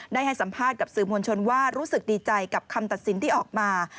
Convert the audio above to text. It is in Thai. ให้สัมภาษณ์กับสื่อมวลชนว่ารู้สึกดีใจกับคำตัดสินที่ออกมา